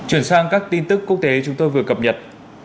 chuyển sang các tin tức quốc tế chúng tôi vừa cập nhật